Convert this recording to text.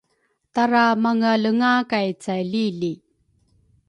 Tara mangealenga kay caili li